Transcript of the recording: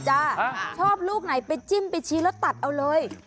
ชอบลูกไหนไปจิ้มไปชี้แล้วตัดเอาเลย